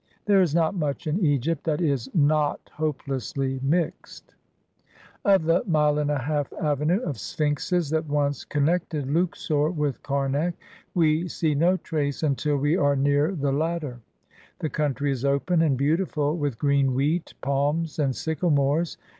There is not much in Egypt that is not hopelessly mixed. Of the mile and a half avenue of Sphinxes that once connected Luxor with Karnak, we see no trace until we are near the latter. The covmtry is open and beautiful with green wheat, palms, and sycamores.